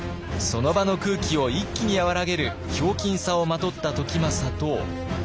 その場の空気を一気に和らげるひょうきんさをまとった時政と。